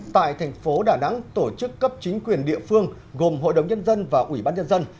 tại thành phố đà nẵng tổ chức cấp chính quyền địa phương gồm hội đồng nhân dân và ủy ban nhân dân